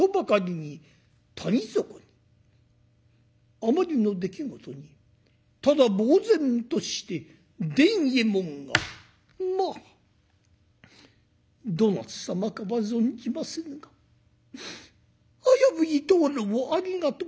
あまりの出来事にただ呆然として伝右衛門が「まあどなた様かは存じませぬが危ういところをありがとう存じました。